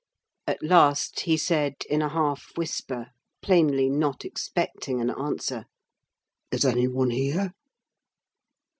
At last, he said, in a half whisper, plainly not expecting an answer, "Is any one here?"